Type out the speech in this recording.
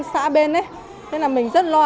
xã bên ấy thế là mình rất lo